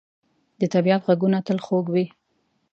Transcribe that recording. د طبیعت ږغونه تل خوږ وي.